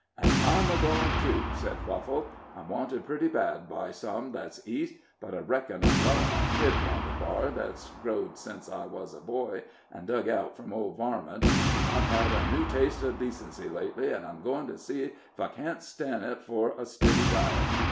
"An' I'm a goin', too," said Buffle. "I'm wanted pretty bad by some that's East, but I reckon I'm well enough hid by the bar that's grow'd sence I wuz a boy, an' dug out from old Varmont. I've had a new taste uv decency lately, an' I'm goin' to see ef I can't stan' it for a stiddy diet.